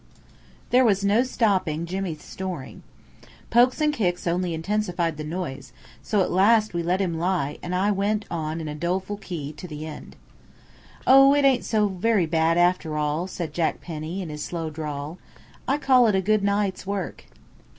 There was no stopping Jimmy's snoring. Pokes and kicks only intensified the noise, so at last we let him lie and I went on in a doleful key to the end. "Oh, it ain't so very bad after all!" said Jack Penny, in his slow drawl. "I call it a good night's work."